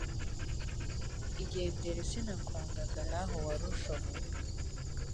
igendere sinakwangaga naho wari ushoboye